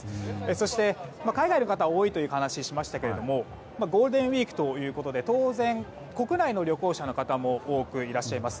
そして、海外の方が多いという話をしましたがゴールデンウィークということで当然、国内の旅行者の方も多くいらっしゃいます。